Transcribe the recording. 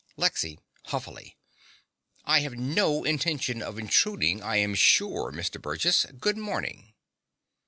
LEXY (huffily). I have no intention of intruding, I am sure, Mr. Burgess. Good morning.